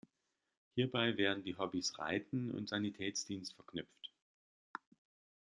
Hierbei werden die Hobbys Reiten und Sanitätsdienst verknüpft.